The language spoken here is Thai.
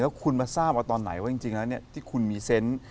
แล้วคุณมาทราบว่าตอนไหนว่าที่คุณมีเซ้นท์